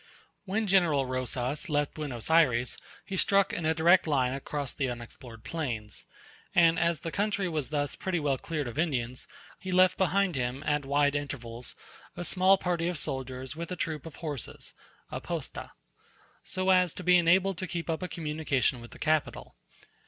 When General Rosas left Buenos Ayres he struck in a direct line across the unexplored plains: and as the country was thus pretty well cleared of Indians, he left behind him, at wide intervals, a small party of soldiers with a troop of horses (a posta), so as to be enabled to keep up a communication with the capital.